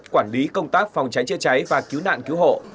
quản lý công tác phòng cháy chữa cháy và cứu nạn cứu hộ